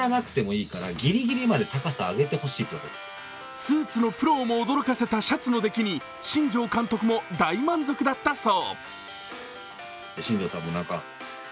スーツのプロをも驚かせたシャツの出来に新庄監督も大満足だったそう。